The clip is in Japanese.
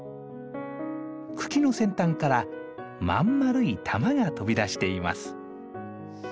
茎の先端から真ん丸い玉が飛び出しています。